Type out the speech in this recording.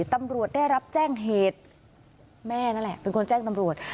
ตำรวจได้รับแจ้งเหตุแม่นั่นแหละเป็นคนแจ้งตำรวจ